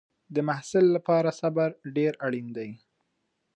د محصل لپاره صبر ډېر اړین دی.